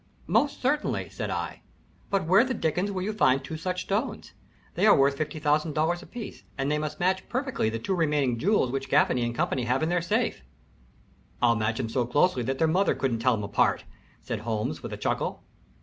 "Most certainly," said I. "But where the dickens will you find two such stones? They are worth $50,000 apiece, and they must match perfectly the two remaining jewels which Gaffany & Co. have in their safe." "I'll match 'em so closely that their own mother couldn't tell 'em apart," said Holmes, with a chuckle.